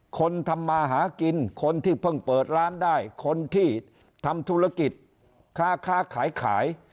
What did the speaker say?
คนทำมาหากินคนที่เพิ่งเปิดร้านได้คนที่ทำธุรกิจค้าขายขาย